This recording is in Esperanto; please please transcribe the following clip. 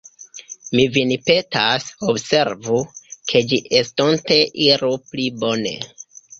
Mi vin petas, observu, ke ĝi estonte iru pli bone.